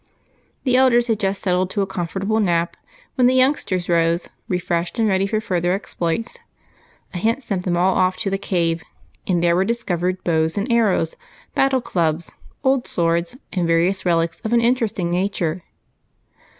The elders had just settled to a comfortable nap when the youngsters rose, refreshed and ready for further ex2)loits. A hint sent them all off to the cave, and there were discovered bows and arrows, battle clubs, old swords, and various relics of an interesting nature.